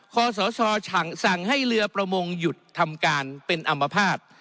ขอสชสั่งให้เรือประมงหยุดทำการเป็นอัมพาต